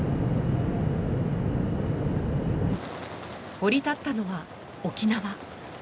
降り立ったのは沖縄。